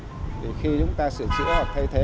thì khi chúng ta sửa chữa hoặc thay thế